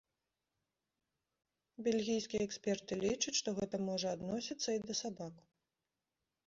Бельгійскія эксперты лічаць, што гэта можа адносіцца і да сабак.